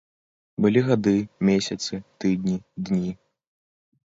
Былі гады, месяцы, тыдні, дні.